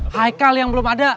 haikal yang belum ada